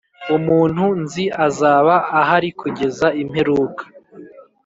umuntu nzi azaba ahari kugeza imperuka,